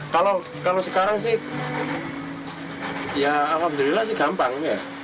kalau sekarang sih ya alhamdulillah sih gampang ya